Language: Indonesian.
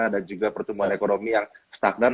dan juga pertumbuhan ekonomi yang stuck down